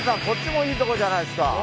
こっちもいいとこじゃないですか。